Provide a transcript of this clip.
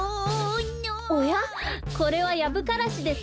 おやこれはヤブカラシですね。